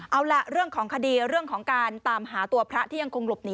เอาล่ะเรื่องของคดีเรื่องของการตามหาตัวพระที่ยังคงหลบหนี